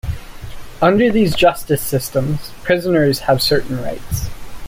Under these justice systems, prisoners have certain rights.